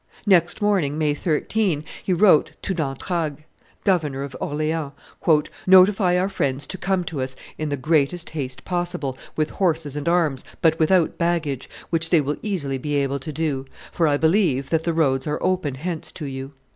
Next morning, May 13, he wrote to D'Entragues, governor of Orleans, "Notify our friends to come to us in the greatest haste possible, with horses and arms, but without baggage, which they will easily be able to do, for I believe that the roads are open hence to you.